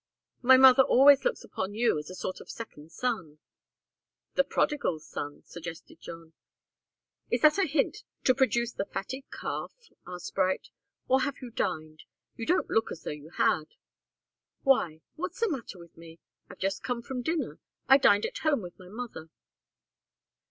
"My mother always looks upon you as a sort of second son." "The prodigal son," suggested John. "Is that a hint to produce the fatted calf?" asked Bright. "Or have you dined? You don't look as though you had." "Why? What's the matter with me? I've just come from dinner. I dined at home with my mother."